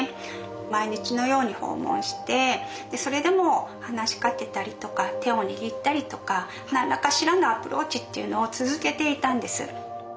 毎日のように訪問してそれでも話しかけたりとか手を握ったりとか何らかしらのアプローチっていうのを続けていたんです。